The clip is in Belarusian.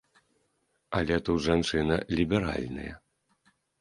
Але тут жанчына ліберальная.